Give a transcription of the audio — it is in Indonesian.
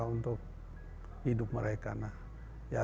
untuk hidup mereka